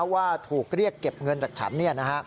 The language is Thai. ว่าถูกเรียกเก็บเงินจากฉัน